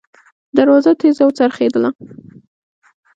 دروازه تېزه وڅرخېدله.